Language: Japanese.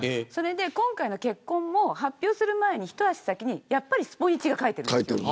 今回の結婚も発表する前に一足先にやっぱりスポニチが書いてるんです。